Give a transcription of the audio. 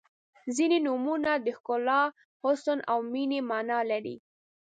• ځینې نومونه د ښکلا، حسن او مینې معنا لري.